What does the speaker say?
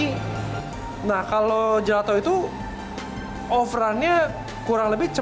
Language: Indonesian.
maka kita bisa bilangnya bagaimana kalo di ice cream itu over run udara yang ada di dalamnya lebih tinggi